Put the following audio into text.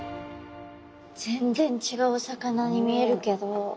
全然違うお魚に見えるけど。